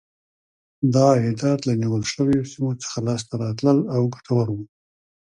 دا عایدات له نیول شویو سیمو څخه لاسته راتلل او ګټور و.